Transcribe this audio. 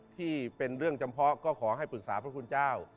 ที่เป็นเรื่องจำเพาะก็ขอให้ปรึกษาพระคุณเจ้า